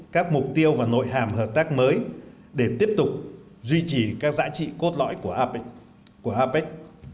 các mục tiêu và nội hàm hợp tác mới để tiếp tục duy trì các giá trị cốt lõi của apec của apec